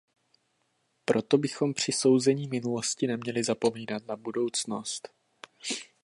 Proto bychom při souzení minulosti neměli zapomínat na budoucnost.